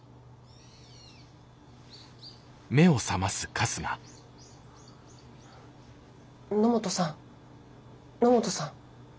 野本さん野本さん。